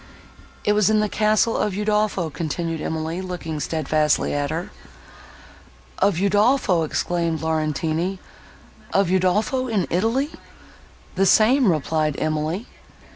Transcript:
"It was in the castle of Udolpho," continued Emily, looking steadfastly at her. "Of Udolpho!" exclaimed Laurentini, "of Udolpho in Italy!" "The same," replied Emily.